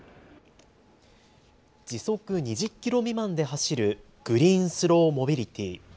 時速２０キロ未満で走るグリーンスローモビリティ。